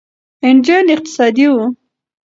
انجن اقتصادي و.